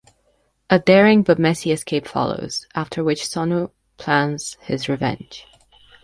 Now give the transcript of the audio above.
A daring but messy escape follows, after which Sun-woo plans his revenge.